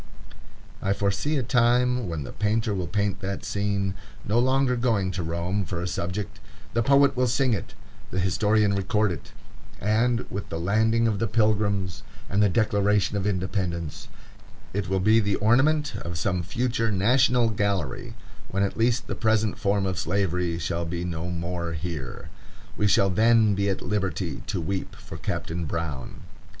I foresee the time when the painter will paint that scene, no longer going to Rome for a subject; the poet will sing it; the historian record it; and, with the Landing of the Pilgrims and the Declaration of Independence, it will be the ornament of some future national gallery, when at least the present form of Slavery shall be no more here. We shall then be at liberty to weep for Captain Brown.